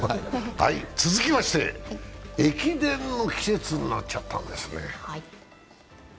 続きまして、駅伝の季節になっちゃったんですね。